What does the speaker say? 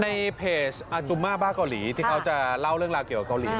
ในเพจอาจุมมาบ้าเกาหลีที่เขาจะเล่าเรื่องราวเกี่ยวกับเกาหลี